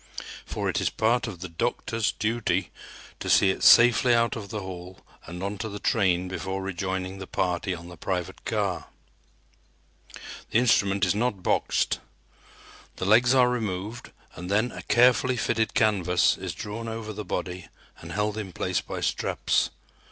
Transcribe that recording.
For it is part of the "doctor's" duty to see it safely out of the hall and onto the train before rejoining the party on the private car. The instrument is not boxed. The legs are removed and then a carefully fitted canvas is drawn over the body and held in place by straps.